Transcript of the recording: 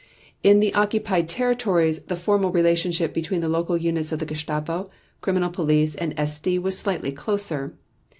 In the occupied territories, the formal relationship between local units of the Gestapo, Criminal Police, and SD was slightly closer.